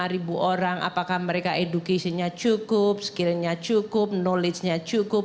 tiga puluh lima ribu orang apakah mereka education nya cukup skill nya cukup knowledge nya cukup